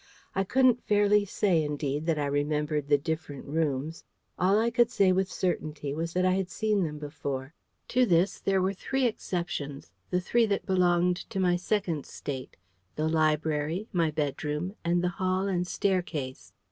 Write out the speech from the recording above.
I couldn't fairly say, indeed, that I remembered the different rooms. All I could say with certainty was that I had seen them before. To this there were three exceptions the three that belonged to my Second State the library, my bedroom, and the hall and staircase.